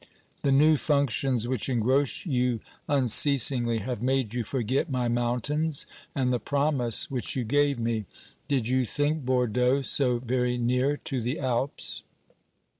The new functions which engross you unceasingly have made you forget my mountains and the promise which you gave me. Did you think Bordeaux so very near to the Alps